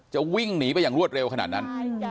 วิ่งหนีไปอย่างรวดเร็วขนาดนั้น